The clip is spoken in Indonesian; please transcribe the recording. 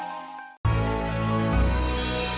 aku sudah memaafkan ya mas